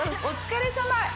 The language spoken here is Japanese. お疲れさま。